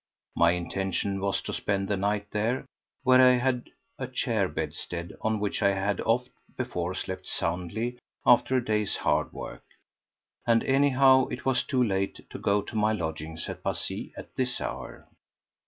My intention was to spend the night there, where I had a chair bedstead on which I had oft before slept soundly after a day's hard work, and anyhow it was too late to go to my lodgings at Passy at this hour.